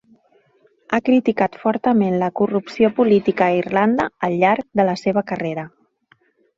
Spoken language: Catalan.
Ha criticat fortament la corrupció política a Irlanda al llarg de la seva carrera.